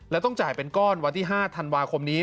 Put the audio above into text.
แล้วต้องจ่ายเป็นก้อนวันที่๕ธันวาคมนี้